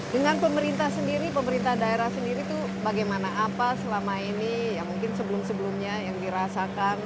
dengan pemerintah sendiri pemerintah daerah sendiri itu bagaimana apa selama ini yang mungkin sebelum sebelumnya yang dirasakan